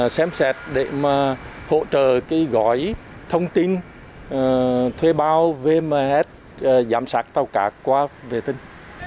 xem xét để mà hỗ trợ cái gói thông tin thuê bao vms giám sát tàu cá qua vệ tinh